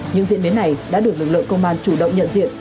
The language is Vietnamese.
những diễn biến này đã được lực lượng công an chủ động nhận diện